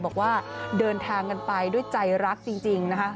บอกว่าเดินทางกันไปด้วยใจรักจริงนะคะ